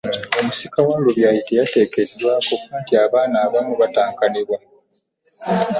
Omusika wa Lubyayi teyateereddwaako anti abaana abamu batankanibwa.